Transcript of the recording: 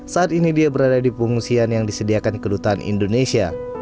saat ini dia berada di pengungsian yang disediakan kedutaan indonesia